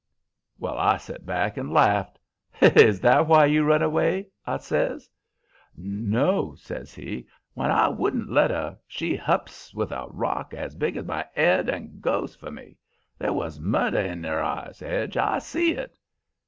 "Well, I set back and laughed. 'Is that why you run away?' I says. "'No,' says he. 'When I wouldn't let 'er she hups with a rock as big as my 'ead and goes for me. There was murder in 'er eyes, 'Edge; I see it.'